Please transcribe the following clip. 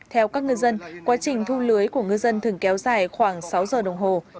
theo các người dân quá trình thu lưới của người dân thường kéo dài khoảng sáu giờ đồng hồ